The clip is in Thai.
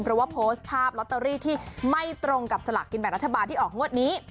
เพราะว่าโพสต์ภาพลอตเตอรี่ที่ไม่ตรงกับสลากกินแบ่งรัฐบาลที่ออกงวดนี้